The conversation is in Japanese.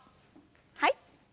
はい。